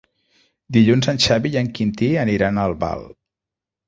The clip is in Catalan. Dilluns en Xavi i en Quintí aniran a Albal.